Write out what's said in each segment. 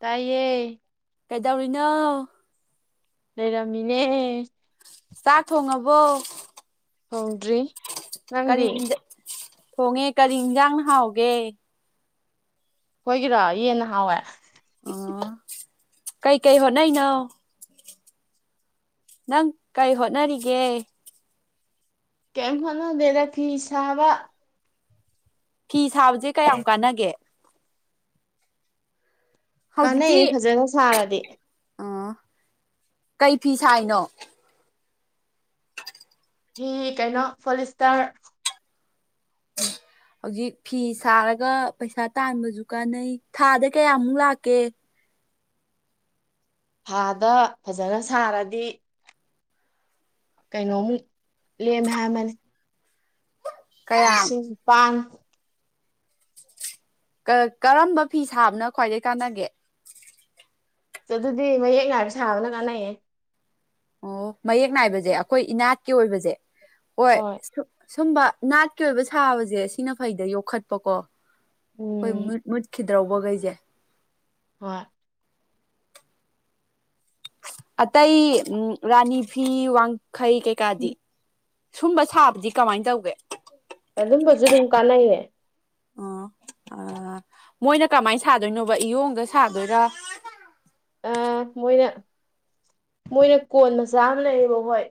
ꯇꯥꯏꯌꯦ ꯀꯩꯗꯧꯔꯤꯅꯣ ꯂꯩꯔꯝꯃꯤꯅꯦ ꯆꯥꯛ ꯊꯣꯡꯉꯕꯣ ꯊꯣꯡꯗ꯭ꯔꯤ ꯀꯔꯤ ꯅꯪꯗꯤ ꯊꯣꯡꯉꯦ ꯀꯔꯤ ꯏꯟꯖꯥꯡ ꯍꯥꯎꯒꯦ ꯍꯣꯏꯒꯤꯔꯣ ꯌꯦꯟ ꯍꯥꯎꯋꯦ ꯑꯣ ꯀꯩꯀꯩ ꯍꯣꯠꯅꯩꯅꯣ ꯅꯪ ꯀꯩ ꯍꯣꯠꯅꯔꯤꯒꯦ ꯀꯦꯝ ꯍꯣꯠꯅꯗꯦꯗ ꯐꯤ ꯁꯥꯕ ꯐꯤ ꯁꯥꯕꯁꯦ ꯀꯌꯥꯝ ꯀꯥꯟꯅꯒꯦ ꯀꯥꯟꯅꯩꯌꯦ ꯐꯖꯅ ꯁꯥꯔꯗꯤ ꯑꯣ ꯀꯩ ꯐꯤ ꯁꯥꯏꯅꯣ ꯐꯤ ꯀꯩꯅꯣ ꯄꯣꯂꯤꯁꯇꯔ ꯎꯝ ꯍꯧꯖꯤꯛ ꯐꯤ ꯁꯥꯔꯒ ꯄꯩꯁꯥ ꯇꯥꯟꯕꯁꯨ ꯀꯥꯟꯅꯩ ꯊꯥꯗ ꯀꯌꯥꯃꯨꯛ ꯂꯥꯛꯀꯦ ꯊꯥꯗ ꯐꯖꯅ ꯁꯥꯔꯗꯤ ꯀꯩꯅꯣꯃꯨꯛ ꯂꯦꯝ ꯍꯥꯏꯃ ꯀꯌꯥꯝ ꯂꯤꯁꯤꯡ ꯅꯤꯄꯥꯟ ꯀ ꯀꯔꯝꯕ ꯐꯤ ꯁꯥꯕꯅ ꯈ꯭ꯋꯥꯏꯗꯒꯤ ꯀꯥꯟꯅꯒꯦ ꯑꯗꯨꯗꯤ ꯃꯌꯦꯛ ꯅꯥꯏꯕ ꯁꯥꯕꯅ ꯀꯥꯟꯅꯩꯌꯦ ꯑꯣ ꯃꯌꯦꯛ ꯅꯥꯏꯕꯁꯦ ꯑꯩꯈꯣꯏ ꯏꯅꯥꯠꯀꯤ ꯑꯣꯏꯕꯁꯦ ꯍꯣꯏ ꯁꯨꯝꯕ ꯅꯥꯠꯀꯤ ꯑꯣꯏꯕ ꯁꯥꯕꯁꯦ ꯁꯤꯅ ꯐꯩꯗ ꯌꯣꯛꯈꯠꯄꯀꯣ ꯍꯣꯏ ꯎꯝ ꯃꯨꯠ ꯃꯨꯠꯈꯤꯗꯧꯕꯈꯩꯁꯦ ꯍꯣꯏ ꯑꯇꯩ ꯎꯝ ꯔꯥꯅꯤ ꯐꯤ ꯋꯥꯡꯈꯩ ꯀꯩꯀꯥꯗꯤ ꯁꯨꯝꯕ ꯁꯥꯕꯗꯤ ꯀꯃꯥꯏꯅ ꯇꯧꯒꯦ ꯑꯗꯨꯝꯕꯁꯨ ꯑꯗꯨꯝ ꯀꯥꯟꯅꯩꯌꯦ ꯑꯣ ꯑ ꯃꯣꯏꯅ ꯀꯃꯥꯏꯅ ꯁꯥꯗꯣꯏꯅꯣꯕ ꯏꯌꯣꯡꯗ ꯁꯥꯗꯣꯏꯔꯥ ꯑꯥ ꯃꯣꯏꯅ ꯃꯣꯏꯅ ꯀꯣꯟ ꯃꯆꯥ ꯑꯃ ꯂꯩꯌꯦꯕ ꯍꯣꯏ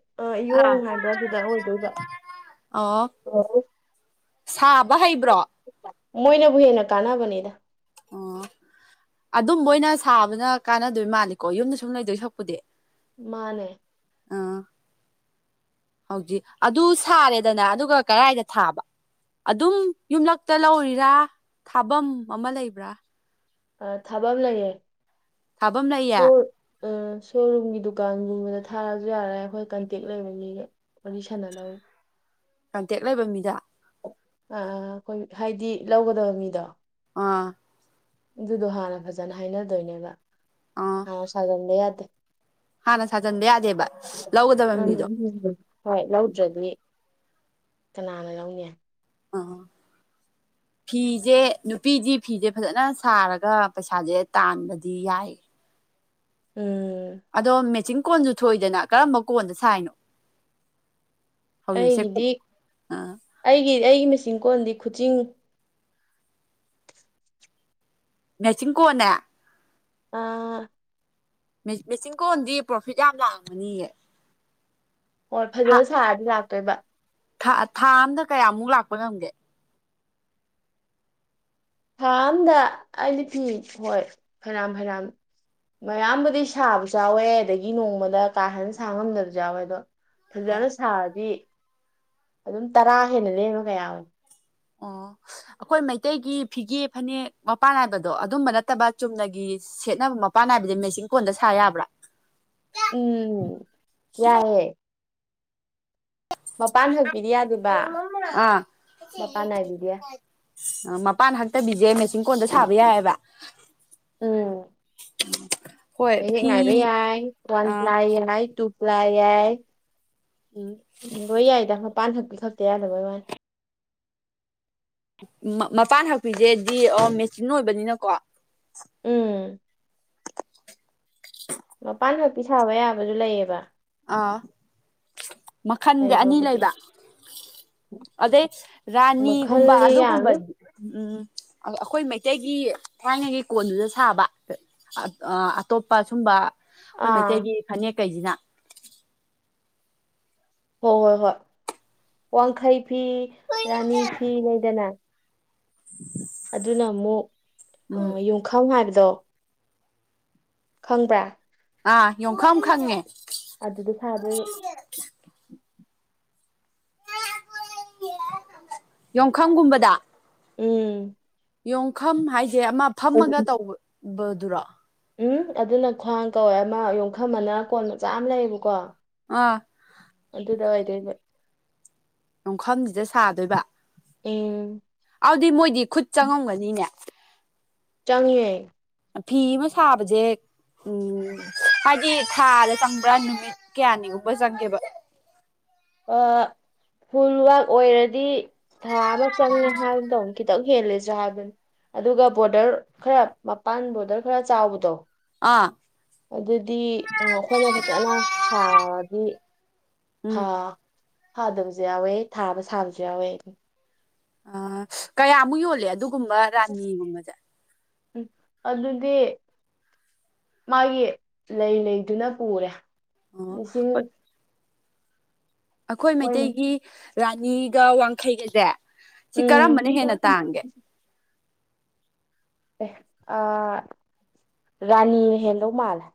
ꯏꯌꯣꯡ ꯍꯥꯏꯕ꯭ꯔꯥ ꯑꯗꯨꯗ ꯑꯣꯏꯗꯣꯏꯕ ꯑꯣ ꯑꯣ ꯁꯥꯕ ꯍꯩꯕ꯭ꯔꯣ ꯃꯣꯏꯅꯕꯨ ꯍꯦꯟꯅ ꯀꯥꯟꯅꯕꯅꯤꯗ ꯑꯣ ꯑꯗꯨꯝꯕ ꯑꯣꯏꯅ ꯁꯥꯕꯅ ꯀꯥꯟꯅꯗꯣꯏ ꯃꯥꯜꯂꯤꯀꯣ ꯌꯨꯝꯗ ꯁꯨꯝ ꯂꯩꯗꯣꯏ ꯁꯔꯨꯛꯄꯨꯗꯤ ꯃꯥꯅꯦ ꯑꯥ ꯍꯧꯖꯤꯛ ꯑꯗꯨ ꯁꯥꯔꯦꯗꯅ ꯑꯗꯨꯒ ꯀꯔꯥꯏꯗ ꯊꯥꯕ ꯑꯗꯨꯝ ꯌꯨꯝꯂꯛꯇ ꯂꯧꯔꯤꯔꯥ ꯊꯥꯐꯝ ꯑꯃ ꯂꯩꯕ꯭ꯔꯥ ꯑ ꯊꯥꯕꯥꯝ ꯂꯩꯌꯦ ꯊꯥꯐꯝ ꯂꯩꯌꯦ ꯎꯝ ꯁꯣꯔꯨꯝꯒꯤ ꯗꯨꯀꯥꯟꯒꯨꯝꯕꯗ ꯊꯥꯔꯁꯨ ꯌꯥꯔꯦ ꯑꯩꯈꯣꯏ ꯀꯟꯇꯦꯛ ꯂꯩꯕꯅꯤꯅ ꯋꯥꯔꯤ ꯁꯅꯥ ꯗꯧ ꯀꯟꯇꯦꯛ ꯂꯩꯕ ꯃꯤꯗ ꯑ ꯑ ꯑꯩꯈꯣꯏ ꯍꯥꯏꯗꯤ ꯂꯧꯒꯗꯕ ꯃꯤꯗꯣ ꯑꯥ ꯑꯗꯨꯗꯣ ꯍꯥꯟꯅ ꯐꯖꯅ ꯍꯥꯏꯅꯗꯣꯏꯅꯦꯕ ꯑꯥ ꯍꯥꯟꯅ ꯁꯥꯖꯟꯕ ꯌꯥꯗꯦ ꯍꯥꯟꯅ ꯁꯥꯖꯟꯕ ꯌꯥꯗꯦꯕ ꯂꯧꯒꯗꯕ ꯃꯤꯗꯣ ꯎꯝ ꯍꯣꯏ ꯂꯧꯗ꯭ꯔꯗꯤ ꯀꯅꯥꯅ ꯂꯧꯅꯤ ꯑꯣ ꯐꯤꯁꯦ ꯅꯨꯄꯤꯗꯤ ꯐꯤꯁꯦ ꯐꯖꯅ ꯁꯥꯔꯒ ꯄꯩꯁꯥꯁꯦ ꯇꯥꯟꯕꯗꯤ ꯌꯥꯏ ꯎꯝ ꯑꯗꯣ ꯃꯦꯆꯤꯟ ꯀꯣꯟꯁꯨ ꯊꯣꯛꯏꯗꯅ ꯀꯔꯝꯕ ꯀꯣꯟꯗ ꯁꯥꯏꯅꯣ ꯍꯧꯖꯤꯛꯁꯦ ꯑꯩꯒꯤꯗꯤ ꯑꯥ ꯑꯩꯒꯤ ꯑꯩꯒꯤ ꯃꯦꯆꯤꯟ ꯀꯣꯟꯗꯤ ꯈꯨꯆꯤꯡ ꯅꯦꯆꯤꯟ ꯀꯣꯟꯅꯦ ꯑꯥ ꯃꯦꯆꯤꯟ ꯀꯣꯟꯗꯤ ꯄ꯭ꯔꯣꯐꯤꯠ ꯌꯥꯝ ꯂꯥꯛꯑꯝꯒꯅꯤꯌꯦ ꯍꯣꯏ ꯊꯥ ꯐꯖꯅ ꯁꯥꯔꯗꯤ ꯂꯥꯛꯇꯣꯏꯕ ꯊꯥ ꯊꯥ ꯑꯝꯗ ꯀꯌꯥꯃꯨꯛ ꯂꯥꯛꯄ ꯉꯝꯒꯦ ꯊꯥ ꯑꯝꯗ ꯑꯩ ꯂꯤꯄꯤ ꯍꯣꯏ ꯐꯅꯌꯥꯝ ꯐꯅꯌꯥꯝ ꯃꯌꯥꯝꯕꯨꯗꯤ ꯁꯥꯕꯁꯨ ꯌꯥꯎꯋꯦ ꯑꯗꯒꯤ ꯅꯣꯡꯃꯗ ꯀꯥ ꯍꯦꯟꯅ ꯁꯥꯡꯉꯝꯗꯕꯁꯨ ꯌꯥꯎꯋꯦ ꯑꯗꯣ ꯐꯖꯅ ꯁꯥꯔꯗꯤ ꯑꯗꯨꯝ ꯇꯔꯥ ꯍꯦꯟꯅ ꯂꯩꯝꯕꯒ ꯌꯥꯎꯏ ꯑꯣ ꯑꯩꯈꯣꯏ ꯃꯩꯇꯩꯒꯤ ꯐꯤꯒꯦ ꯐꯅꯦꯛ ꯃꯄꯥꯟ ꯅꯥꯏꯕꯗꯣ ꯑꯗꯨꯝꯕ ꯅꯠꯇꯕ ꯆꯨꯝꯅꯒꯤ ꯁꯦꯠꯅꯕ ꯃꯄꯥꯟ ꯅꯥꯏꯕꯗ ꯃꯦꯆꯤꯡ ꯀꯣꯟꯗ ꯁꯥ ꯌꯥꯕ꯭ꯔꯥ ꯎꯝ ꯌꯥꯏꯑꯦ ꯃꯄꯥꯟ ꯍꯛꯄꯤꯗꯤ ꯌꯥ ꯑꯗꯨꯕ ꯑꯥ ꯃꯄꯥꯟ ꯅꯥꯏꯕꯤꯗꯦ ꯃꯄꯥꯟ ꯍꯛꯇꯕꯤꯁꯦ ꯃꯦꯆꯤꯟ ꯀꯣꯟꯗ ꯁꯥꯕ ꯌꯥꯏꯑꯕ ꯎꯝ ꯍꯣꯏ ꯍꯌꯦꯛ ꯅꯥꯏꯕꯥ ꯐꯤ ꯌꯥꯏ ꯋꯥꯟ ꯑ ꯄ꯭ꯂꯥꯏ ꯌꯥꯏ ꯇꯨ ꯄ꯭ꯂꯥꯏ ꯌꯥꯏ ꯎꯝ ꯂꯣꯏ ꯌꯥꯏꯗ ꯃꯄꯥꯟ ꯍꯛꯄꯤ ꯈꯛꯇ ꯌꯥꯗꯕꯩ ꯃꯥꯅꯤ ꯃꯄꯥꯟ ꯍꯛꯄꯤꯁꯦꯗꯤ ꯑꯣ ꯃꯦꯆꯤꯟ ꯑꯣꯏꯕꯅꯤꯅꯀꯣ ꯎꯝ ꯃꯄꯥꯟ ꯍꯛꯄꯤ ꯁꯥꯕ ꯌꯥꯕꯁꯨ ꯂꯩꯌꯦꯕ ꯑꯥ ꯃꯈꯟꯗꯤ ꯑꯅꯤ ꯂꯩꯕꯕꯨꯗꯤ ꯂꯩꯕ ꯑꯗꯩ ꯔꯥꯅꯤꯒꯨꯝꯕ ꯃꯈꯜꯗꯤ ꯌꯥꯝꯃꯤ ꯑꯗꯨꯒꯨꯝꯕꯗꯤ ꯎꯝ ꯑ ꯑꯩꯈꯣꯏ ꯃꯩꯇꯩꯒꯤ ꯊꯥꯏꯉꯩꯒꯤ ꯀꯣꯟꯗꯨꯗ ꯁꯥꯕ ꯑꯇꯣꯞꯄ ꯁꯨꯝꯕ ꯑꯩꯈꯣꯏ ꯑꯥ ꯃꯩꯇꯩꯒꯤ ꯐꯅꯦꯛ ꯀꯩꯁꯤꯅ ꯍꯣꯏ ꯍꯣꯏ ꯍꯣꯏ ꯋꯥꯡꯈꯩ ꯐꯤ ꯔꯥꯅꯤ ꯐꯤ ꯂꯩꯗꯅ ꯑꯗꯨꯅ ꯑꯃꯨꯛ ꯎꯝ ꯌꯨꯝꯈꯪ ꯍꯥꯏꯕꯗꯣ ꯈꯪꯕ꯭ꯔꯥ ꯑꯥ ꯌꯣꯡꯈꯝ ꯈꯪꯉꯦ ꯑꯗꯨꯗꯥ ꯁꯥꯗꯣꯏꯕ ꯌꯣꯡꯈꯪꯒꯨꯝꯕꯗ ꯎꯝ ꯌꯣꯡꯈꯝ ꯍꯥꯏꯁꯦ ꯑꯃ ꯐꯝꯃꯒ ꯇꯧꯕꯗꯨꯔꯣ ꯎꯝ ꯑꯗꯨꯅ ꯈ꯭ꯋꯥꯡ ꯀꯧꯋꯦ ꯑꯃ ꯌꯣꯟꯈꯝ ꯑꯃꯅ ꯀꯣꯟ ꯃꯆꯥ ꯑꯃ ꯂꯩꯌꯦꯕꯀꯣ ꯑꯥ ꯑꯗꯨꯗ ꯍꯥꯏꯔꯅꯦ ꯌꯣꯡꯈꯝꯁꯤꯗ ꯁꯥꯗꯣꯏꯕ ꯎꯝ ꯑꯗꯨꯗꯤ ꯃꯣꯏꯗꯤ ꯈꯨꯠ ꯆꯪꯉꯝꯒꯅꯤꯅꯦ ꯆꯪꯉꯦ ꯐꯤ ꯑꯃ ꯁꯥꯕꯁꯦ ꯎꯝ ꯍꯥꯏꯗꯤ ꯊꯥꯗ ꯆꯪꯕ꯭ꯔꯥ ꯅꯨꯃꯤꯠ ꯀꯌꯥꯅꯤꯀꯨꯝꯕ ꯆꯪꯒꯦꯕ ꯑ [unintelligible] ꯑꯣꯏꯔꯗꯤ ꯊꯥ ꯑꯃ ꯆꯪꯉꯦ ꯍꯥꯏꯒꯨꯝ ꯇꯧꯅꯤ ꯈꯤꯇꯪ ꯍꯦꯜꯂꯦꯁꯨ ꯍꯥꯏꯕꯅꯤ ꯑꯗꯨꯒ ꯕꯣꯔꯗꯔ ꯈꯔ ꯃꯄꯥꯟ ꯕꯣꯔꯗꯔ ꯈꯔ ꯆꯥꯎꯕꯗꯣ ꯑꯥ ꯑꯗꯨꯗꯤ ꯑꯩꯈꯣꯏꯅ ꯐꯖꯅ ꯁꯥꯔꯗꯤ ꯎꯝ ꯍꯥꯥ ꯊꯥꯗꯕꯁꯨ ꯌꯥꯎꯋꯦ ꯊꯥꯕ ꯁꯥꯕꯁꯨ ꯌꯥꯎꯋꯦ ꯑꯗꯨ ꯑ ꯀꯌꯥꯃꯨꯛ ꯌꯣꯜꯂꯦ ꯑꯗꯨꯒꯨꯝꯕ ꯔꯥꯅꯤꯒꯨꯝꯕꯖꯤ ꯎꯝ ꯑꯗꯨꯗꯤ ꯃꯥꯒꯤ ꯂꯩ ꯂꯩꯗꯨꯅ ꯄꯨꯔꯦ ꯑꯣ ꯂꯤꯁꯤꯡ ꯍꯣꯏ ꯑꯩꯈꯣꯏ ꯍꯣꯏꯅꯦ ꯃꯩꯇꯩꯒꯤ ꯔꯥꯅꯤꯒ ꯋꯥꯡꯈꯩꯒꯁꯦ ꯁꯤ ꯎꯝ ꯀꯔꯝꯕꯅ ꯍꯦꯟꯅ ꯇꯥꯡꯒꯦ ꯑꯦ ꯔꯥꯅꯤꯅ ꯍꯦꯟꯗꯧ ꯃꯥꯜꯂꯦ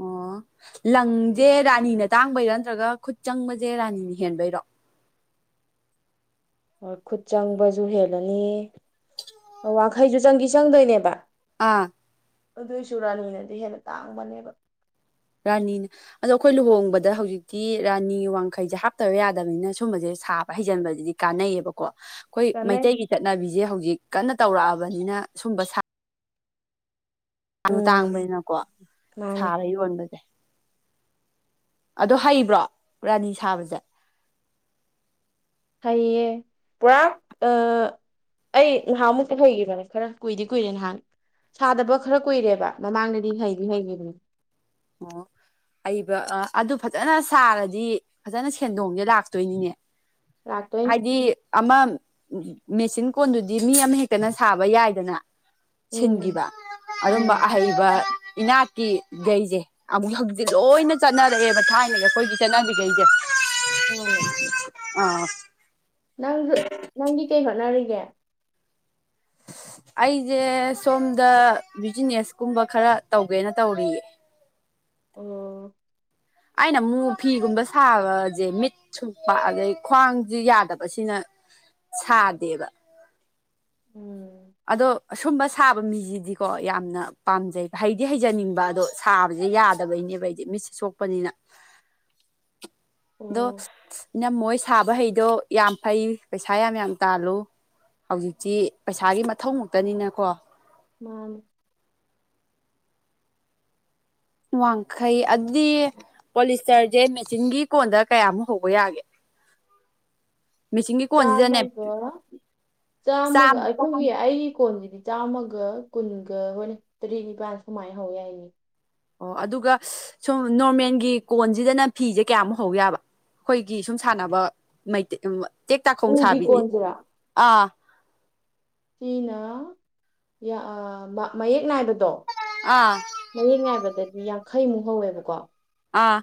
ꯑꯣ ꯂꯪꯁꯦ ꯔꯥꯅꯤꯅ ꯇꯥꯡꯕꯩꯔꯣ ꯅꯠꯇ꯭ꯔꯒ ꯈꯨꯠ ꯆꯪꯕꯁꯦ ꯔꯥꯅꯤꯅ ꯍꯦꯟꯕꯩꯔꯣ ꯍꯣꯏ ꯈꯨꯠ ꯆꯪꯕꯁꯨ ꯍꯦꯜꯂꯅꯤ ꯋꯥꯡꯈꯩꯁꯨ ꯆꯪꯈꯤ ꯆꯪꯗꯣꯏꯅꯦꯕ ꯑꯥ ꯑꯗꯨꯏꯁꯨ ꯔꯥꯅꯤꯅꯗꯤ ꯍꯦꯟꯅ ꯇꯥꯡꯕꯅꯦꯕ ꯔꯅꯤꯅ ꯑꯗꯣ ꯑꯩꯈꯣꯏ ꯂꯨꯍꯣꯡꯕꯗ ꯍꯧꯖꯤꯛꯇꯤ ꯔꯥꯅꯤ ꯋꯥꯡꯈꯩꯁꯦ ꯍꯥꯞꯇꯕ ꯌꯥꯗꯕꯅꯤꯅ ꯁꯨꯝꯕꯁꯦ ꯁꯥꯕ ꯍꯩꯖꯟꯕꯗꯤ ꯀꯥꯟꯅꯩꯌꯦꯕꯀꯣ ꯑꯩꯈꯣꯏ ꯀꯥꯟꯅꯩ ꯃꯩꯇꯩꯒꯤ ꯆꯠꯅꯕꯤꯖꯦ ꯍꯧꯖꯤꯛ ꯀꯟꯅ ꯇꯧꯔꯛꯑꯕꯅꯤꯅ ꯁꯨꯝꯕ ꯁꯥ ꯇꯥꯡ ꯎꯝ ꯇꯥꯡꯕꯅꯤꯅ ꯀꯣ ꯃꯥꯅꯦ ꯁꯥꯔ ꯌꯣꯟꯕꯖꯦ ꯑꯗꯣ ꯍꯩꯕ꯭ꯔꯣ ꯔꯥꯅꯤ ꯁꯥꯕꯖꯦ ꯍꯩꯌꯦ ꯄꯨꯔꯥ ꯑ ꯑꯩ ꯅꯍꯥꯟꯃꯨꯛꯇꯤ ꯍꯩꯒꯤꯕꯅꯦ ꯈꯔ ꯀꯨꯏꯗꯤ ꯀꯨꯏꯔꯦ ꯅꯍꯥꯟ ꯁꯥꯗꯕ ꯈꯔ ꯀꯨꯏꯔꯦꯕ ꯃꯃꯥꯡꯗꯗꯤ ꯍꯩꯗꯤ ꯍꯩꯒꯤꯝꯅꯦ ꯑꯣ ꯑꯩꯕ ꯑ ꯑꯗꯨ ꯐꯖꯅ ꯁꯥꯔꯗꯤ ꯐꯖꯅ ꯁꯦꯟꯗꯣꯡꯁꯦ ꯂꯥꯛꯇꯣꯏꯅꯤꯅꯦ ꯂꯥꯛꯇꯣꯏꯅꯦ ꯍꯥꯏꯗꯤ ꯑꯃ ꯃꯦꯆꯤꯟ ꯀꯣꯟꯗꯨꯗꯤ ꯃꯤ ꯑꯃ ꯍꯦꯛꯇꯅ ꯁꯥꯕ ꯌꯥꯏꯗꯅ ꯎꯝ ꯁꯤꯟꯈꯤꯕ ꯑꯗꯨꯝꯕ ꯎꯝ ꯑꯍꯩꯕ ꯏꯅꯥꯠꯀꯤ ꯒꯩꯁꯦ ꯑꯃꯨꯛ ꯍꯧꯖꯤꯛꯇꯤ ꯂꯣꯏꯅ ꯆꯠꯅꯔꯛꯑꯦꯕ ꯊꯥꯏꯅꯒꯤ ꯑꯩꯈꯣꯏꯒꯤ ꯆꯠꯅꯕꯤꯈꯩꯁꯦ ꯃꯥꯅꯤꯅꯤ ꯑꯥ ꯅꯪꯁꯨ ꯅꯪꯗꯤ ꯀꯩ ꯍꯣꯠꯅꯔꯤꯒꯦ ꯑꯩꯁꯦ ꯁꯣꯝꯗ ꯕꯤꯖꯤꯅꯦꯁꯀꯨꯝꯕ ꯈꯔ ꯇꯧꯒꯦꯅ ꯇꯧꯔꯤꯌꯦ ꯑꯣ ꯑꯩꯅ ꯃꯨꯛ ꯐꯤꯒꯨꯝꯕ ꯁꯥꯕꯖꯦ ꯃꯤꯠ ꯁꯨꯡꯄ ꯑꯗꯩ ꯈ꯭ꯋꯥꯡꯖꯤ ꯌꯥꯗꯕꯁꯤꯅ ꯁꯥꯗꯦꯕ ꯎꯝ ꯑꯗꯣ ꯁꯨꯝꯕ ꯁꯥꯕ ꯃꯤꯖꯤꯗꯤꯀꯣ ꯌꯥꯝꯅ ꯄꯥꯝꯖꯩꯕ ꯍꯩꯗꯤ ꯍꯩꯖꯅꯤꯡꯕ ꯑꯗꯣ ꯁꯥꯕꯖꯦ ꯌꯥꯗꯕꯩꯅꯦꯕ ꯑꯩꯗꯤ ꯃꯤꯠꯁꯦ ꯁꯣꯛꯄꯅꯤꯅ ꯗꯣ ꯑꯣ ꯏꯅꯝꯃꯍꯣꯏ ꯁꯥꯕ ꯍꯩꯗꯣ ꯌꯥꯝ ꯐꯩ ꯄꯩꯁꯥ ꯌꯥꯝ ꯌꯥꯝ ꯇꯥꯜꯂꯨ ꯍꯧꯖꯤꯛꯇꯤ ꯄꯩꯁꯥꯒꯤ ꯃꯊꯧ ꯃꯥꯛꯇꯅꯤꯅꯀꯣ ꯃꯥꯥꯅꯦ ꯋꯥꯡꯈꯩ ꯑꯗꯨꯗꯤ ꯄꯣꯂꯤꯁꯇꯔꯖꯦ ꯃꯦꯆꯤꯟꯒꯤ ꯀꯣꯟꯗ ꯀꯌꯥꯃꯨꯛ ꯍꯧꯕ ꯌꯥꯒꯦ ꯎꯝ ꯆꯥꯃꯒ ꯆꯥꯃꯒ ꯆꯥꯝꯃ ꯑꯩ ꯑꯩ ꯑꯩꯒꯤ ꯀꯣꯟꯒꯤꯗꯤ ꯆꯥꯝꯃꯒ ꯀꯨꯟꯒ ꯍꯣꯏ ꯇꯔꯦꯠ ꯅꯤꯄꯥꯜ ꯁꯨꯃꯥꯏꯅ ꯍꯧ ꯌꯥꯏꯖꯦ ꯑꯣ ꯑꯗꯨꯒ ꯅꯣꯔꯃꯦꯜꯒꯤ ꯀꯣꯟꯁꯤꯗꯅ ꯐꯤꯖꯦ ꯀꯌꯥꯃꯨꯛ ꯍꯧ ꯌꯥꯕ ꯑꯩꯈꯣꯏꯒꯤ ꯁꯨꯝ ꯁꯥꯟꯅꯕ ꯃꯩ ꯇꯦꯛꯇꯥꯈꯣꯡ ꯎꯒꯤ ꯁꯥꯕꯤꯗꯤ ꯀꯣꯟꯁꯤꯔꯥ ꯑꯥ ꯁꯤꯅ ꯌ ꯑ ꯃꯌꯦꯛ ꯅꯥꯏꯕꯗꯣ ꯑꯥ ꯃꯌꯦꯛ ꯅꯥꯏꯕꯗꯗꯤ ꯌꯥꯡꯈꯩꯃꯨꯛ ꯍꯧꯋꯦꯕꯀꯣ ꯑꯥ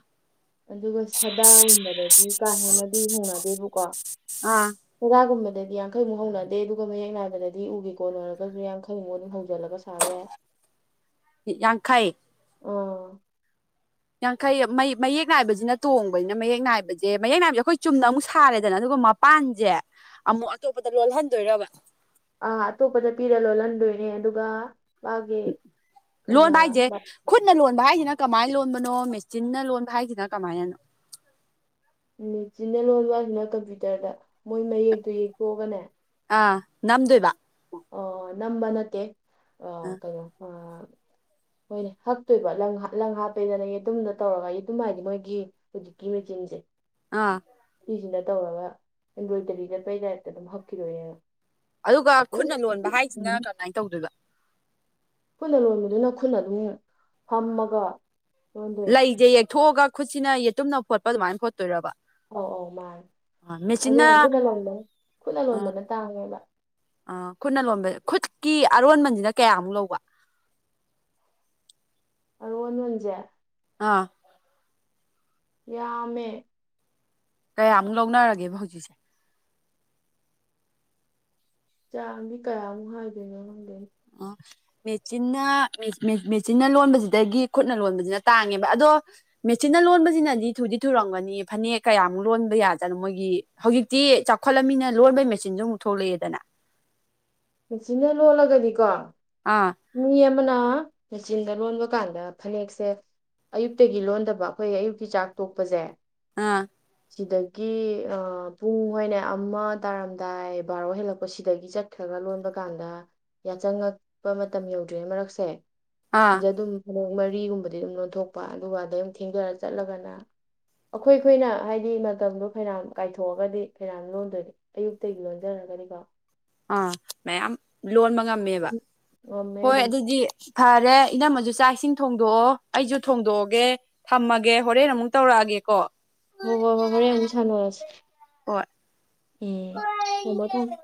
ꯑꯗꯨꯒ ꯁꯥꯗꯥꯒꯨꯡꯕꯗꯗꯤ ꯀꯥ ꯍꯦꯟꯅꯗꯤ ꯍꯣꯡꯅꯗꯦꯕꯀꯣ ꯑꯥ ꯁꯗꯥꯥꯒꯨꯝꯕꯗꯗꯤ ꯌꯥꯡꯈꯩꯃꯨꯛ ꯍꯧꯅꯗꯦ ꯑꯗꯨꯒ ꯃꯌꯦꯛ ꯅꯥꯏꯕꯗꯗꯤ ꯎꯒꯤ ꯀꯣꯟ ꯑꯣꯏꯔꯒꯗꯤ ꯌꯥꯡꯈꯩ ꯃꯨꯛ ꯑꯗꯨꯝ ꯍꯧꯖꯤꯜꯂꯒ ꯁꯥꯕ ꯌꯥꯏ ꯌꯥꯡꯈꯩ ꯑꯣ ꯌꯥꯡꯈꯩ ꯃꯩ ꯃꯌꯦꯛ ꯅꯥꯏꯕꯖꯤꯅ ꯇꯣꯡꯕꯅꯤꯅ ꯃꯌꯦꯛ ꯅꯥꯏꯕꯖꯦ ꯃꯌꯦꯛ ꯅꯥꯏꯕꯖꯦ ꯑꯩꯈꯣꯏ ꯆꯨꯝꯅ ꯑꯃꯨꯛ ꯁꯥꯔꯦꯗꯅ ꯑꯗꯨꯒ ꯃ ꯄꯥꯟꯖꯦ ꯑꯃꯨꯛ ꯑꯇꯣꯞꯄꯗ ꯂꯣꯜꯍꯟꯗꯣꯏꯔꯕ ꯑꯥ ꯑꯇꯣꯞꯄꯗ ꯄꯤꯔ ꯂꯣꯜꯍꯟꯗꯣꯏꯅꯦ ꯑꯗꯨꯒ ꯃꯥꯒꯤ ꯂꯣꯟꯕ ꯍꯥꯏꯖꯦ ꯑ ꯈꯨꯠꯅ ꯂꯣꯟꯕ ꯍꯥꯏꯖꯤꯅ ꯀꯃꯥꯏꯅ ꯂꯣꯟꯕꯅꯣ ꯃꯦꯆꯤꯟꯅ ꯂꯣꯟꯕ ꯍꯥꯏꯖꯤꯅ ꯀꯃꯥꯏꯅꯅꯣ ꯃꯦꯆꯤꯟꯅ ꯂꯣꯟꯕ ꯍꯥꯏꯁꯤꯅ ꯀꯝꯄ꯭ꯌꯨꯇꯔꯗ ꯃꯣꯏ ꯃꯌꯦꯛꯇꯨ ꯌꯦꯛꯇꯣꯛꯑꯒꯅꯦ ꯑꯥ ꯅꯝꯗꯣꯏꯕ ꯑ ꯅꯝꯕ ꯅꯠꯇꯦ ꯑ ꯑꯥ ꯀꯩꯅꯣ ꯑ ꯍꯣꯏꯅꯦ ꯍꯛꯇꯣꯏꯕ ꯂꯪ ꯍꯥ ꯂꯪ ꯍꯥꯞꯄꯦꯗꯅ ꯌꯦꯇꯨꯝꯗꯣ ꯇꯧꯔꯒ ꯑꯩ ꯌꯦꯇꯨꯝ ꯍꯥꯏꯗꯤ ꯃꯣꯏꯒꯤ ꯍꯧꯖꯤꯀꯤ ꯃꯦꯆꯤꯟꯖꯦ ꯑꯥ ꯄꯤꯤꯁꯤꯅ ꯇꯧꯔꯒ ꯑꯦꯝꯕ꯭ꯔꯣꯏꯗꯔꯤꯗꯄꯩ ꯗꯥꯏꯔꯤꯛꯇ ꯑꯗꯨꯝ ꯍꯛꯈꯤꯔꯣꯏꯅꯦꯅ ꯑꯗꯨꯒ ꯈꯨꯠꯅ ꯂꯣꯟꯕ ꯍꯥꯏꯁꯤꯅ ꯀꯃꯥꯏꯅ ꯇꯧꯗꯣꯏꯕ ꯈꯨꯠꯅ ꯂꯣꯟꯕꯗꯨꯅ ꯈꯨꯠꯅ ꯑꯗꯨꯝ ꯐꯝꯃꯒ ꯂꯣꯟꯗꯣꯏꯅꯦ ꯂꯩꯁꯦ ꯌꯦꯛꯊꯣꯛꯑꯒ ꯈꯨꯠꯁꯤꯅ ꯌꯦꯇꯨꯝꯅ ꯐꯣꯠꯄ ꯑꯗꯨꯃꯥꯏꯅ ꯈꯣꯠꯇꯣꯏꯔꯕ ꯑꯧ ꯑꯧ ꯃꯥꯅꯦ ꯑꯗꯨꯅ ꯈꯨꯠꯅ ꯂꯣꯟꯕ ꯈꯨꯠꯅ ꯂꯣꯟꯕꯅ ꯇꯥꯡꯉꯦꯕ ꯑ ꯈꯨꯠꯅ ꯂꯣꯟꯕ ꯈꯨꯠꯀꯤ ꯑꯔꯣꯟꯕꯁꯤꯅ ꯀꯌꯥꯃꯨꯛ ꯂꯧꯕ ꯑꯔꯣꯟ ꯑꯣꯟꯁꯦ ꯑꯥ ꯌꯥꯝꯃꯦ ꯀꯌꯥꯃꯨꯛ ꯂꯧꯅꯔꯒꯦꯕ ꯍꯧꯖꯤꯛꯁꯦ ꯆꯥꯃꯤ ꯀꯌꯥꯃꯨꯛ ꯍꯥꯏꯗꯣꯏꯅꯣ ꯈꯪꯗꯦ ꯑ ꯃꯦꯆꯤꯟꯅ ꯃꯦꯆꯤꯟꯅ ꯂꯣꯟꯕꯖꯤꯗꯒꯤ ꯈꯨꯠꯅ ꯂꯣꯟꯕꯁꯤꯅ ꯇꯥꯡꯉꯦꯕ ꯑꯗꯣ ꯃꯦꯆꯤꯟꯅ ꯂꯣꯟꯕꯁꯤꯅꯗꯤ ꯊꯨꯗꯤ ꯊꯨꯔꯝꯒꯅꯤ ꯐꯅꯦꯛ ꯀꯌꯥꯃꯨꯛ ꯂꯣꯟꯕ ꯌꯥꯖꯅꯣ ꯃꯣꯏꯒꯤ ꯍꯧꯖꯤꯛꯇꯤ ꯆꯥꯎꯈꯠꯂꯝꯅꯤꯅ ꯂꯣꯟꯕꯩ ꯃꯦꯆꯤꯟꯁꯖꯨ ꯑꯃꯨꯛ ꯊꯣꯛꯂꯛꯑꯦꯗꯅ ꯃꯦꯆꯤꯟꯅ ꯂꯣꯜꯂꯒꯗꯤꯀꯣ ꯑꯥ ꯃꯤ ꯑꯃꯅ ꯃꯦꯆꯤꯟꯗ ꯂꯣꯟꯕ ꯀꯥꯟꯗ ꯐꯅꯦꯛꯁꯦ ꯑꯌꯨꯛꯇꯒꯤ ꯂꯣꯟꯗꯕ ꯑꯩꯈꯣꯏ ꯑꯌꯨꯛꯀꯤ ꯆꯥꯛ ꯇꯣꯛꯄꯁꯦ ꯑꯥ ꯁꯤꯗꯒꯤ ꯄꯨꯡ ꯍꯣꯏꯅ ꯑꯃ ꯇꯥꯔꯝꯗꯥꯏ ꯕꯥꯔꯣ ꯍꯦꯜꯂꯛꯄ ꯁꯤꯗꯒꯤ ꯆꯠ ꯈꯔ ꯈꯔ ꯂꯣꯟꯕ ꯀꯥꯟꯗ ꯌꯥꯆꯪꯉꯛꯄ ꯃꯇꯝ ꯌꯧꯗ꯭ꯔꯤꯉꯩ ꯃꯔꯛꯁꯦ ꯑꯥ ꯁꯤꯗ ꯑꯗꯨꯝ ꯍꯅꯛ ꯃꯔꯤꯒꯨꯝꯕꯗꯤ ꯑꯗꯨꯝ ꯂꯣꯟꯊꯣꯛꯄ ꯑꯗꯨꯒ ꯑꯗꯩ ꯑꯗꯨꯝ ꯊꯦꯡꯖꯔ ꯆꯠꯂꯒꯅ ꯑꯩꯈꯣꯏ ꯑꯩꯈꯣꯏꯅ ꯍꯥꯏꯗꯤ ꯃꯇꯝꯗꯣ ꯐꯩꯔꯝ ꯀꯥꯏꯊꯣꯛꯑꯒꯗꯤ ꯐꯩꯔꯝ ꯂꯣꯟꯗꯣꯏꯅꯤ ꯑꯌꯨꯛꯇꯒꯤ ꯂꯣꯟꯖꯔꯒꯅꯤꯀꯣ ꯑꯥ ꯃꯌꯥꯝ ꯂꯣꯟꯕ ꯉꯝꯃꯦꯕ ꯉꯝꯃꯦ ꯍꯣꯏ ꯑꯗꯨꯝ ꯑꯗꯨꯗꯤ ꯐꯔꯦ ꯏꯅꯝꯃꯁꯨ ꯆꯥꯛ ꯏꯁꯤꯡ ꯊꯣꯡꯗꯣꯛꯑꯣ ꯑꯩꯁꯨ ꯊꯣꯡꯗꯣꯛꯑꯒꯦ ꯊꯝꯃꯒꯦ ꯍꯣꯔꯦꯟ ꯑꯃꯨꯛ ꯇꯧꯔꯛꯑꯒꯦꯀꯣ ꯍꯣꯏ ꯍꯣꯏ ꯍꯣꯏ ꯍꯣꯔꯦꯟ ꯑꯃꯨꯛ ꯁꯥꯟꯅꯔꯁꯤꯦ ꯍꯣꯏ ꯎꯝ ꯊꯦꯡꯃꯣ ꯊꯝꯃ